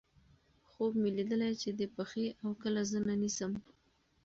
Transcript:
خوب مې ليدلے چې دې پښې اؤ کله زنه نيسم